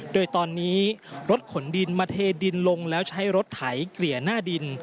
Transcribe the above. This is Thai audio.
โดยตอนนี้รถขนดินมาเทดินลงแล้วใช้รถไถเกลี่ยหน้าดิน